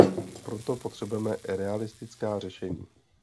Proto potřebujeme realistická řešení.